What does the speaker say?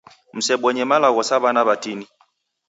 Msebonye malagho sa w'ana w'atini